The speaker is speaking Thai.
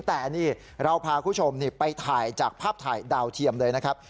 แต่นี่เราพาคุณผู้ชมไปถ่ายจากภาพถ่ายดาวเทียมเลยนะครับ